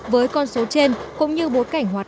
với con số trên cũng như bố cảnh hoạt động